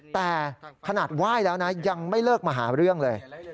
แต่ขนาดไหว้แล้วนะยังไม่เลิกมาหาเรื่องเลย